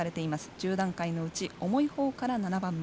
１０段階のうち重いほうから７番目。